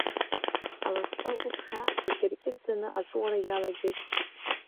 Аласба агәы ԥшаан, иркьыкьӡаны аҵәыуара иалагеит.